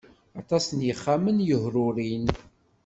Aṭas n yexxamen yehrurin.